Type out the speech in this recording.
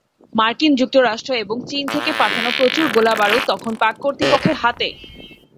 মার্কিন যুক্তরাষ্ট্র এবং চীন থেকে পাঠানো প্রচুর গোলাবারুদ তখন পাক কর্তৃপক্ষের হাতে।